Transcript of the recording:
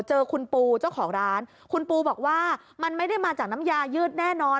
เจอคุณปูเจ้าของร้านคุณปูบอกว่ามันไม่ได้มาจากน้ำยายืดแน่นอน